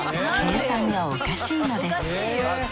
計算がおかしいのです